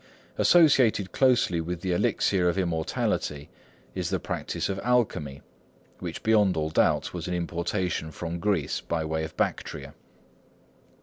Associated closely with the elixir of immortality is the practice of alchemy, which beyond all doubt was an importation from Greece by way of Bactria.